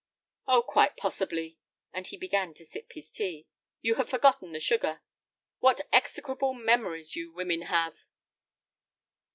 "Oh, quite possibly," and he began to sip his tea; "you have forgotten the sugar. What execrable memories you women have!"